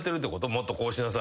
「もっとこうしなさい。